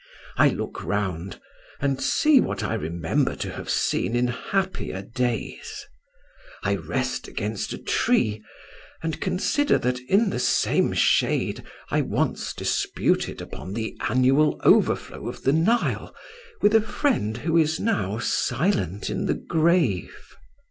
I look round, and see what I remember to have seen in happier days. I rest against a tree, and consider that in the same shade I once disputed upon the annual overflow of the Nile with a friend who is now silent in the grave.